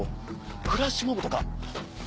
フラッシュモブとか！